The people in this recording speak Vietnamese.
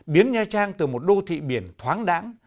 biến nha trang từ một đô thị biển thoáng đẳng